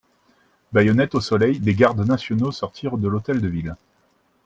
Baïonnettes au soleil, des gardes nationaux sortirent de l'Hôtel de Ville.